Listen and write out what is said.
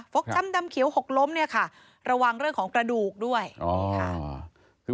ฟกจำดำเขียวหกล้มระวังเรื่องของกระดูกด้วย